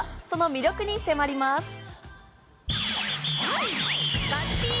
その魅力に迫ります。